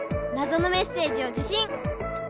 なぞのメッセージを受信！